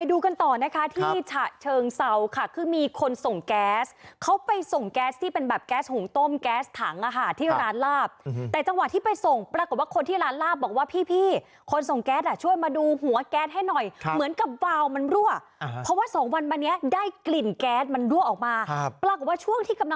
ดูกันต่อนะคะที่ฉะเชิงเซาค่ะคือมีคนส่งแก๊สเขาไปส่งแก๊สที่เป็นแบบแก๊สหุงต้มแก๊สถังอ่ะค่ะที่ร้านลาบแต่จังหวะที่ไปส่งปรากฏว่าคนที่ร้านลาบบอกว่าพี่พี่คนส่งแก๊สอ่ะช่วยมาดูหัวแก๊สให้หน่อยเหมือนกับวาวมันรั่วเพราะว่าสองวันมาเนี้ยได้กลิ่นแก๊สมันรั่วออกมาครับปรากฏว่าช่วงที่กำลัง